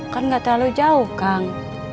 kan nggak terlalu jauh kang